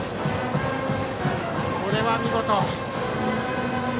これは見事！